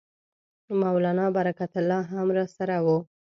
مولنا برکت الله هم راسره وو.